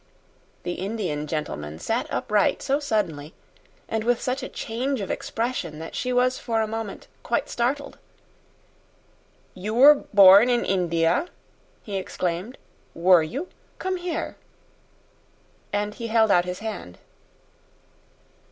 The Indian gentleman sat upright so suddenly, and with such a change of expression, that she was for a moment quite startled. "You were born in India," he exclaimed, "were you? Come here." And he held out his hand.